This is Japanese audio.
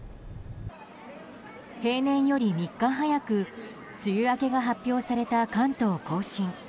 平年より３日早く梅雨明けが発表された関東・甲信。